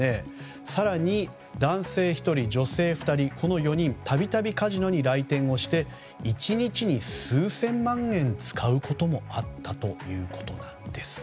更に、男性１人、女性２人この４人度々、カジノに来店をして１日に数千万円を使うこともあったということです。